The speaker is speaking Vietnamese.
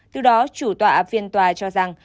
từ đó chủ tọa phiên tòa cho rằng